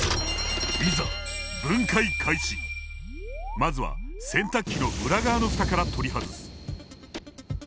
まずは洗濯機の裏側のふたから取り外す。